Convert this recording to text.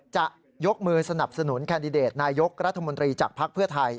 จะยกมือสนับสนุนแคนดิเดตนายกรัฐมนตรีจากภักดิ์เพื่อไทย